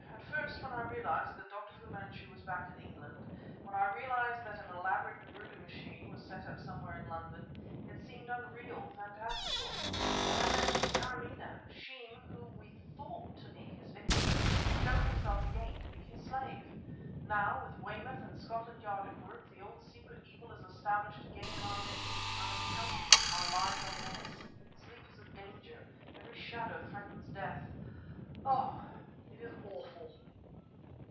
"At first, when I realized that Dr. Fu Manchu was back in England, when I realized that an elaborate murder machine was set up somewhere in London, it seemed unreal, fantastical. Then I met Karamaneh! She, whom we thought to be his victim, showed herself again to be his slave. Now, with Weymouth and Scotland Yard at work, the old secret evil is established again in our midst, unaccountably our lives are menaced sleep is a danger every shadow threatens death... oh! it is awful."